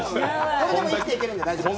これでも生きていけるので大丈夫です